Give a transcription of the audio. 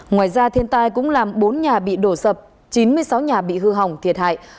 ngoài ra thiên tai cũng làm bốn nhà bị đổ sập chín mươi sáu nhà bị hư hỏng thiệt hại